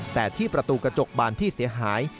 แต่ที่ประตูกระจกบานที่เสียหาย